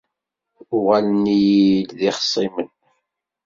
Uɣalen-iyi-d d ixṣimen.